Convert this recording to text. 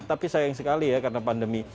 tapi sayang sekali ya karena pandemi